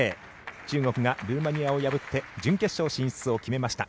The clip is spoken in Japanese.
中国がルーマニアを破って準決勝進出を決めました。